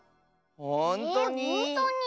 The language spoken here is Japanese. ほんとに？